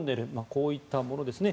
こういったものですね